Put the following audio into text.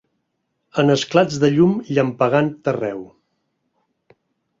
en esclats de llum llampegant arreu…